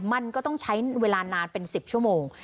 มันก็ต้องใช้เวลานานเป็น๑๐ชั่วโมง